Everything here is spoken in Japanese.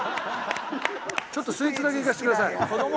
ちょっとスイーツだけいかせてください。